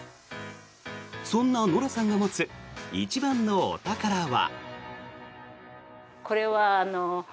そんなノラさんが持つ一番のお宝は。